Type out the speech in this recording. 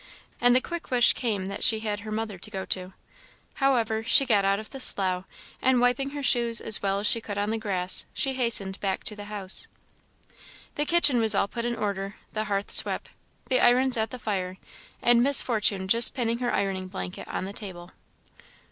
and the quick wish came that she had her mother to go to. However, she got out of the slough, and wiping her shoes as well as she could on the grass, she hastened back to the house. The kitchen was all put in order, the hearth swept, the irons at the fire, and Miss Fortune just pinning her ironing blanket on the table.